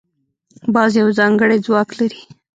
باز یو ځانګړی ځواک لري